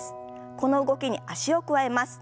この動きに脚を加えます。